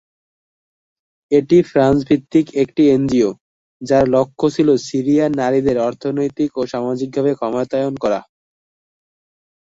এটি ফ্রান্স ভিত্তিক একটি এনজিও যার লক্ষ্য ছিল সিরিয়ার নারীদের অর্থনৈতিক ও সামাজিকভাবে ক্ষমতায়ন করা।